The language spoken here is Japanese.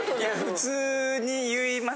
普通に言いますし。